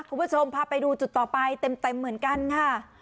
คุณผู้ชมพาไปดูจุดต่อไปเต็มเหมือนกันค่ะ